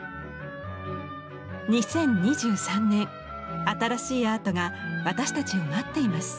２０２３年新しいアートが私たちを待っています。